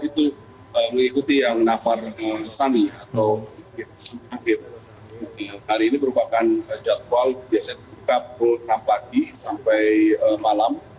itu mengikuti yang nafar sani atau akhir hari ini merupakan jadwal biasanya buka pukul enam pagi sampai malam